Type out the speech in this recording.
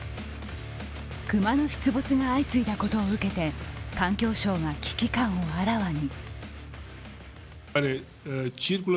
熊の出没が相次いだことを受けて環境相が危機感をあらわに。